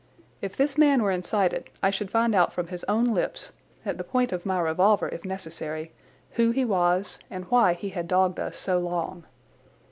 If this man were inside it I should find out from his own lips, at the point of my revolver if necessary, who he was and why he had dogged us so long.